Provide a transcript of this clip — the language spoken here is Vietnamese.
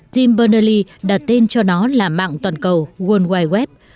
tim bernally đặt tên cho nó là mạng toàn cầu world wide web